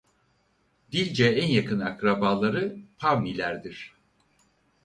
Dilce en yakın akrabaları Pavnilerdir.